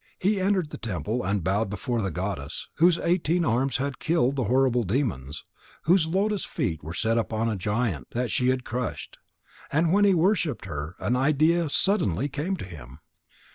He entered the temple and bowed before the goddess whose eighteen arms had killed the horrible demons, whose lotus feet were set upon a giant that she had crushed. And when he had worshipped her, an idea suddenly came to him.